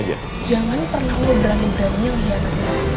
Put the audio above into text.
jangan pernah lo berani berani ngehiangin saya